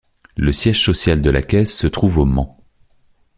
Le siège social de la Caisse se trouve au Mans.